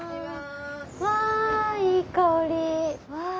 わいい香り。